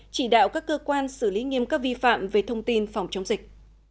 chỉ đạo các cơ quan xử lý nghiêm các vi phạm về thông tin phòng chống dịch